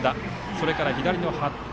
それから左の服部。